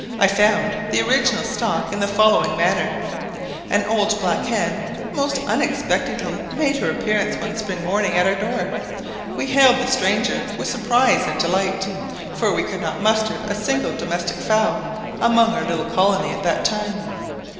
I found the original stock in the following manner. An old black hen most unexpectedly made her appearance one spring morning at our door; we hailed the stranger with surprise and delight; for we could not muster a single domestic fowl among our little colony at that time.